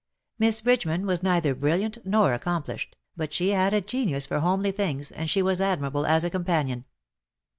Miss Bridgeman was neither brilliant nor accomplished, but she had a genius for homely things, and she was admirable as a companion.